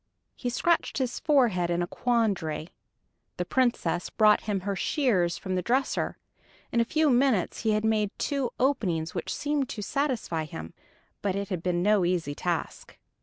He scratched his forehead in a quandary. The Princess brought him her shears from the dresser. In a few minutes he had made two openings which seemed to satisfy him, but it had been no easy task.